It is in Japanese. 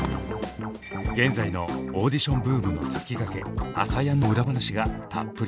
現在のオーディションブームの先駆け「ＡＳＡＹＡＮ」の裏話がたっぷり！